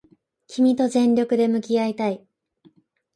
君と全力で向き合いたい